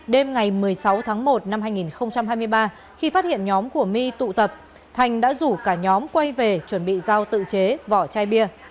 đêm ngày một mươi sáu tháng một năm hai nghìn hai mươi ba khi phát hiện nhóm của my tụ tập thành đã rủ cả nhóm quay về chuẩn bị giao tự chế vỏ chai bia